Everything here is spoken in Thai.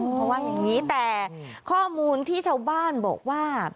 เพราะว่าอย่างนี้แต่ข้อมูลที่ชาวบ้านบอกว่า